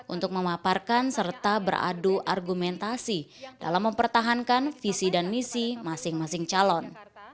untuk memaparkan serta beradu argumentasi dalam mempertahankan visi dan misi masing masing calon